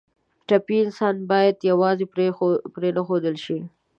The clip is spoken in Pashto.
ټپي انسان باید یوازې پرېنښودل شي.